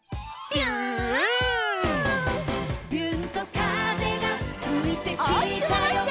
「びゅーんと風がふいてきたよ」